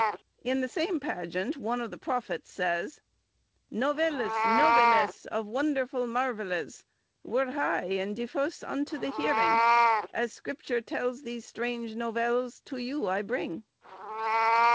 In the same pageant one of the prophets says— "Novellis, novellis of wondrfull mrvellys, Were 'hy and defuce vnto the heryng, Asse scripture tellis these strange novellis to you I bryng."